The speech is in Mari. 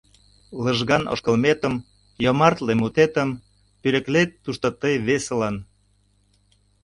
Лыжган ошкылметым, Йомартле мутетым Пӧлеклет тушто тый весылан.